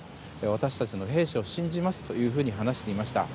私たちも兵士を信じますと話していました。